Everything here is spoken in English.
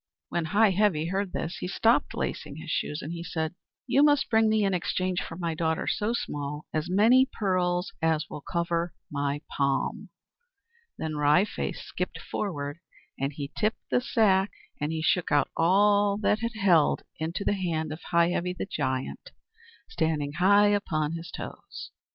When Heigh Heavy heard this, he stopped lacing his shoes, and he said, "You must bring me in exchange for my daughter So Small as many pearls as will cover my palm." Then Wry Face skipped forward, and he tipped up the sack; and he shook out all that it held into the hand of Heigh Heavy the Giant, standing high upon his toes.